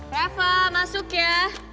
reva masuk ya